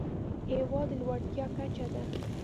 هېواد د لوړتيا کچه ده.